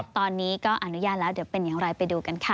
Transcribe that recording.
ตอนนี้ก็อนุญาตแล้วเป็นอย่างไรไปดูกัน